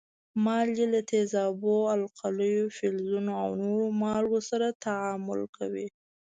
مالګې له تیزابو، القلیو، فلزونو او نورو مالګو سره تعامل کوي.